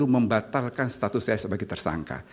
membatalkan status saya sebagai tersangka